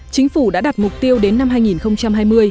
chính phủ đã đặt mục tiêu đến năm hai nghìn hai mươi